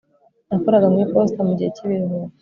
nakoraga mu iposita mugihe cyibiruhuko